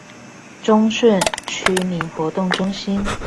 忠順區民活動中心